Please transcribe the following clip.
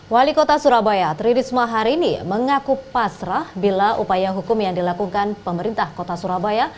wali kota surabaya tririsma hari ini mengaku pasrah bila upaya hukum yang dilakukan pemerintah kota surabaya